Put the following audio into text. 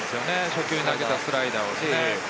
初球に投げたスライダーですよね。